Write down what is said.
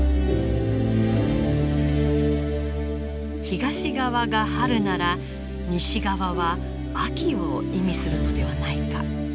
東側が春なら西側は秋を意味するのではないか。